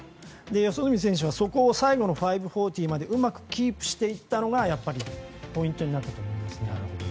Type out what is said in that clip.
四十住選手は、そこを最後の５４０までキープしていったのがポイントになったと思うんです。